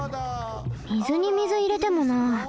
水に水いれてもな。